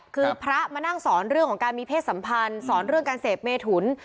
คือพระมานั่งสอนเรื่องของการมีเพศสัมพันธ์สอนเรื่องการเสพเมถุน